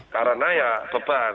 karena ya beban